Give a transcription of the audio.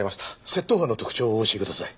窃盗犯の特徴をお教えください。